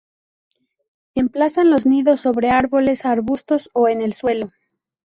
Emplazan los nidos sobre árboles, arbustos, o en el suelo.